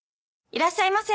いらっしゃいませ。